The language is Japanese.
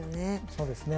そうですね。